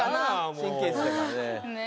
もう神経質だからね